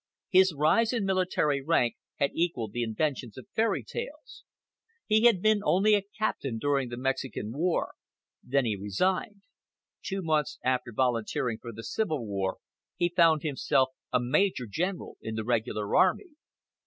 His rise in military rank had equaled the inventions of fairy tales. He had been only a captain during the Mexican war. Then he resigned. Two months after volunteering for the Civil War he found himself a Major General in the Regular Army.